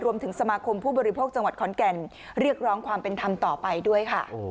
รวมถึงสมาคมผู้บริโภคจังหวัดขอนแก่นเรียกร้องความเป็นธรรมต่อไปด้วยค่ะ